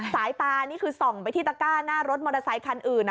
สายตานี่คือส่องไปที่ตะก้าหน้ารถมอเตอร์ไซคันอื่น